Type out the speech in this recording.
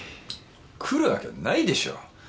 来るわけないでしょ。